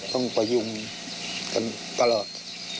ต้องประยุ่งกันตลอด